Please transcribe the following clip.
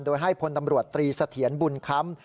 โดยให้พลตำรวจตรีเสถียรบุญค้ำ